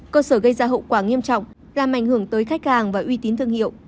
cơ sở gây ra hậu quả nghiêm trọng làm ảnh hưởng tới khách hàng và uy tín thương hiệu